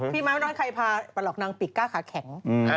พี่ม้าไม่ต้องใครพาแต่หลอกนางปิกก้าขาแข็ง